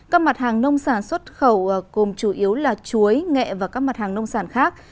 các mặt hàng nông sản xuất khẩu cùng chủ yếu là chuối nghệ và các mặt hàng nông sản khác